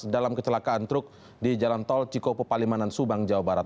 dalam kecelakaan truk di jalan tol cikopo palimanan subang jawa barat